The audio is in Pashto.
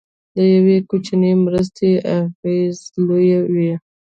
د یو کوچنۍ مرستې اغېز لوی وي.